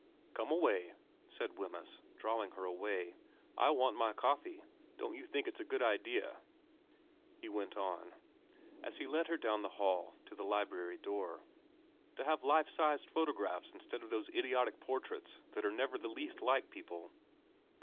...' Come along.' said Wemyss, drawing her away, ' I want my coffee. Don't you think it's a good idea,' he went on, as he led her down the hall to the library door, 'to have life sized photographs instead of those idiotic portraits that are never the least like people